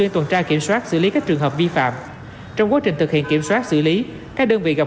tuần tra kiểm soát xử lý các trường hợp vi phạm trong quá trình thực hiện kiểm soát xử lý các đơn vị gặp